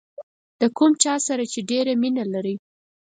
د کوم چا سره چې ډېره مینه لرئ.